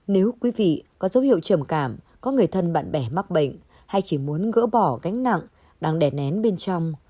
nếu quý vị có dấu hiệu trầm cảm có người thân bạn bè mắc bệnh hay chỉ muốn gỡ bỏ gánh nặng đang đẻ nén bên trong